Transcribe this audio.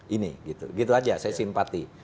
ini gitu gitu aja saya simpati